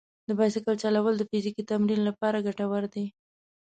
د بایسکل چلول د فزیکي تمرین لپاره ګټور دي.